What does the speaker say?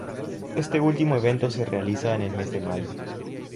Este último evento se realiza en el mes de mayo.